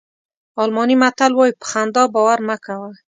الماني متل وایي په خندا باور مه کوه.